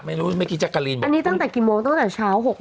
ไม่รู้ไม่คิดจะกะลินอันนี้ตั้งแต่กี่โมงตั้งแต่เช้า๖โมงปะ